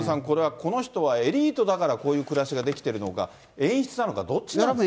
石丸さん、これはこの人はエリートだから、こういう暮らしができてるのか、演出なのかどっちなのか。